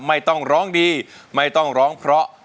ไม่ต้องร้องดีไม่ต้องร้องเพราะ